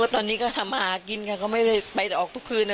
ตอนนี้ก็ทำมาหากินค่ะเขาไม่ได้ไปออกทุกคืนนะ